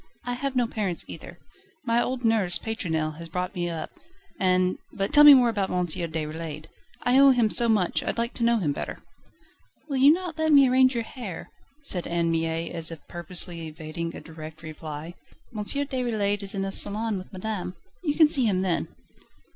"I have no parents either. My old nurse, Pétronelle, has brought me up, and But tell me more about M. Déroulède I owe him so much, I'd like to know him better." "Will you not let me arrange your hair?" said Anne Mie as if purposely evading a direct reply. "M. Déroulède is in the salon with madame. You can see him then."